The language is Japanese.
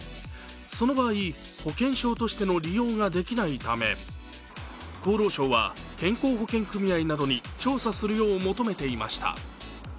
その場合、保険証としての利用ができないため厚労省は健康保険組合などに調査するよう求めていました。